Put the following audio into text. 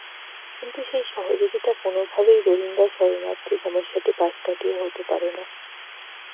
কিন্তু সেই সহযোগিতা কোনোভাবেই রোহিঙ্গা শরণার্থী সমস্যাটি পাশ কাটিয়ে হতে পারে না।